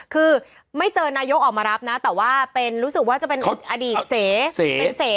คือไม่เจอนายกออกมารับนะแต่ว่าเป็นรู้สึกว่าจะเป็นอดีตเสเป็นเส